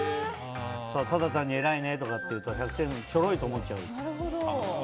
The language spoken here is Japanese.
ただ単に偉いねとかって言うと１００点ちょろいって思っちゃう。